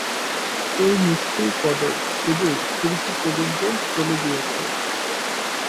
এই মিষ্টির কদর সুদূর তুর্কি পর্যন্ত চলে গিয়েছে।